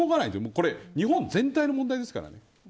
これ、日本全体の問題ですから。